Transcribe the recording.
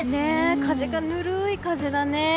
風がぬるい風だね。